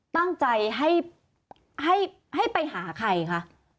ตั้งใจให้ไปหาใครคะ